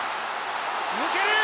抜ける！